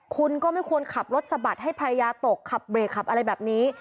คุณก็ไม่ควรขับรถสะบัดให้ภรรยาตกขับเบรกขับอะไรแบบนี้